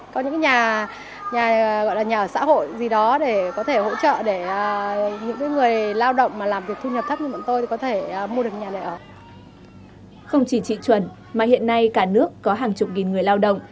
không chỉ chị chuẩn mà hiện nay cả nước có hàng chục nghìn người lao động